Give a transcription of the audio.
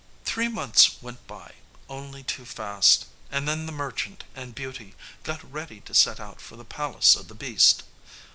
Three months went by only too fast, and then the merchant and Beauty got ready to set out for the palace of the beast.